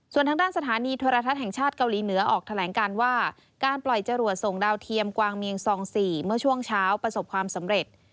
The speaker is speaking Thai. ส่วนทางด้านสถานีโทรทัศน์แห่งชาติเกาหลีเหนือออกแถลงการว่าการปล่อยจรวดส่งดาวเทียมกวางเมียงซอง๔เมื่อช่วงเช้าประสบความสำเร็จ